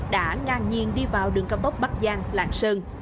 đã ngang nhiên đi vào đường cao tốc bắc giang lạng sơn